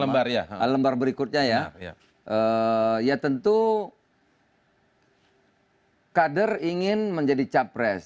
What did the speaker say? pertanyaan mana tadi